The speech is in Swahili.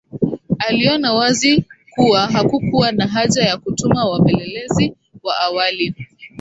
Aliona wazi kuwa hakukuwa na haja ya kutuma wapelelezi wa awali